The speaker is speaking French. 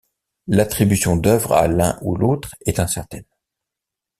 L'attribution d'œuvre à l'un ou l'autre est incertaine.